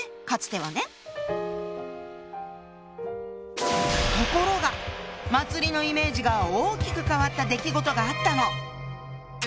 かつてはね。「祭」のイメージが大きく変わった出来事があったの！